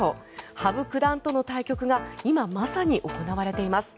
羽生九段との対局が今まさに行われています。